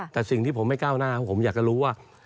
แต่สิ่งที่ผมไม่ก้าวหน้าผมอยากจะรู้ว่า